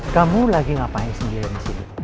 kamu lagi ngapain sendirian disini